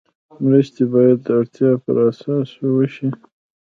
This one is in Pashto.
مرستې باید د اړتیا پر اساس وشي.